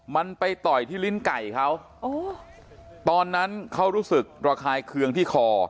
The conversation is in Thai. มันไปต่อยที่ลิ้นไก่เขาตอนนั้นเขารู้สึกระคายเคืองที่คอ